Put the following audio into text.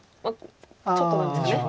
ちょっとなんですかね。